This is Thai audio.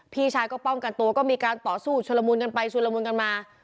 พี่ชายก็ป้องกันตัวก็มีการต่อสู้ชนละมุนกันไปชุดละมุนกันมา